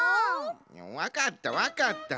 わかったわかった。